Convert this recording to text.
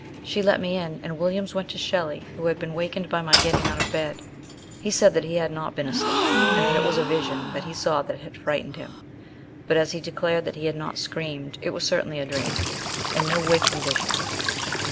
She let me in, and Williams went to Shelley who had been wakened by my getting out of bed. He said that he had not been asleep, and that it was a vision that he saw that had frightened him. But as he declared that he had not screamed, it was certainly a dream, and no waking vision."